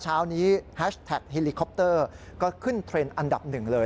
เช้านี้แฮชแท็กเฮลิคอปเตอร์ก็ขึ้นเทรนด์อันดับหนึ่งเลย